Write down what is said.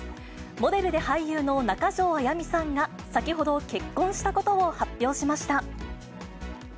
モデルで俳優の中条あやみさんが、先ほど結婚したことを発表しました。